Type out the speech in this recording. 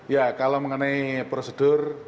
ya kalau mengenai prosedur